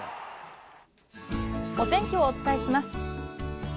お天気をお伝えします。